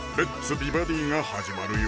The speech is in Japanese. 美バディ」が始まるよ